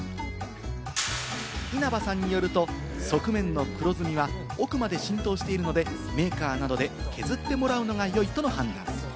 稲葉さんによると、側面の黒ずみは奥まで浸透しているので、メーカーなどで削ってもらうのが良いとの判断。